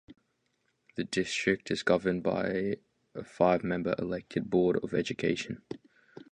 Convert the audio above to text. The district is governed by a five-member elected board of education.